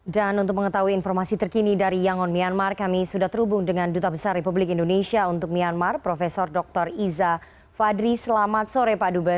dan untuk mengetahui informasi terkini dari yangon myanmar kami sudah terhubung dengan duta besar republik indonesia untuk myanmar prof dr iza fadri selamat sore pak dubes